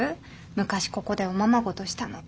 昔ここでおままごとしたの。